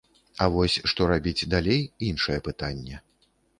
А вось што рабіць далей, іншае пытанне.